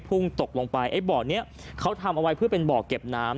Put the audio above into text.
พุ่งตกลงไปไอ้บ่อนี้เขาทำเอาไว้เพื่อเป็นบ่อเก็บน้ำ